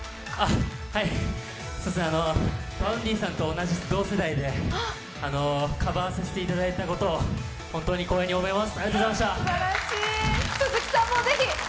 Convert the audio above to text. はい、さすが、Ｖａｕｎｄｙさんと同世代でカバーさせていただいたことを本当に光栄に思います。